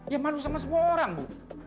ya malu sama semua orang bu